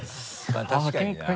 確かにな。